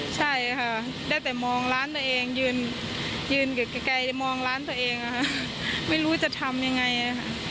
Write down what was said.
ใช่ค่ะได้แต่มองร้านตัวเองยืนไกลจะมองร้านตัวเองไม่รู้จะทำยังไง